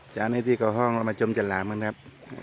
เจ้านี้ที่เกาะห้องเรามาชมจรรหามึงครับ